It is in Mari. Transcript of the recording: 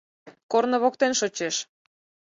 Корно воктен шочеш.